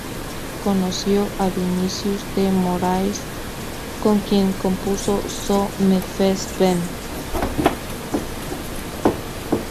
Conoció a Vinícius de Moraes con quien compuso Só Me Fez Bem.